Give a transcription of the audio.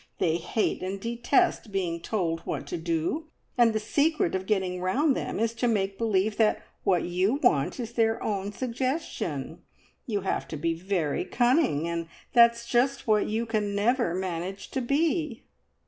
They hate and detest being told what to do, and the secret of getting round them is to make them believe that what you want is their own suggestion. You have to be very cunning, and that's just what you can never manage to be!"